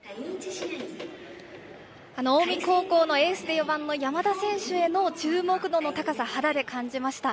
近江高校のエースで４番の山田選手への注目度の高さ、肌で感じました。